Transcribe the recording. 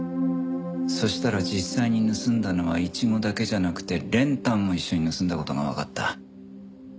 そしたら実際に盗んだのはイチゴだけじゃなくて練炭も一緒に盗んだ事がわかった。